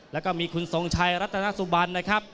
แล้วก็มีคุณทรงชัยรัตนสุบันนะครับ